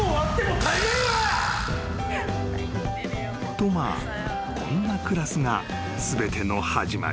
［とまあこんなクラスが全ての始まり］